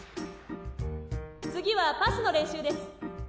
次はパスの練習です。